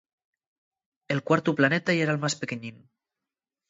El cuartu planeta yera'l más pequeñín.